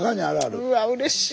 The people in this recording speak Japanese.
うわうれしい！